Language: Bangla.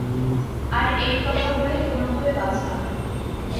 আর এই কথা বলে কোনোভাবে বাঁচলাম।